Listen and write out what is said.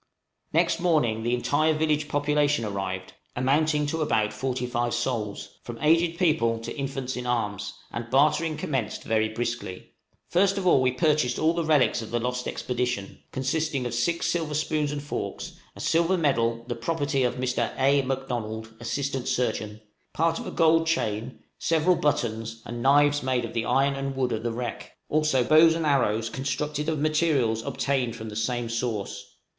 Next morning the entire village population arrived, amounting to about forty five souls, from aged people to infants in arms, and bartering commenced very briskly. First of all we purchased all the relics of the lost expedition, consisting of six silver spoons and forks, a silver medal, the property of Mr. A. M'Donald, assistant surgeon, part of a gold chain, several buttons, and knives made of the iron and wood of the wreck, also bows and arrows constructed of materials obtained from the same source.